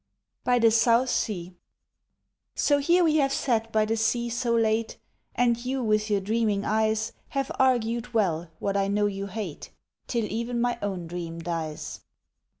BY THE SOUTH SEA So here we have sat by the sea so late, And you with your dreaming eyes Have argued well what I know you hate, Till even my own dream dies.